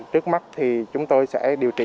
trước mắt thì chúng tôi sẽ điều trị